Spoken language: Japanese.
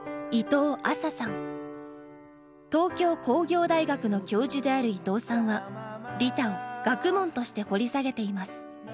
東京工業大学の教授である伊藤さんは利他を学問として掘り下げています。